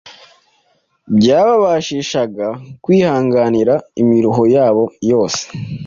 byababashishaga kwihanganira imiruho yabo yose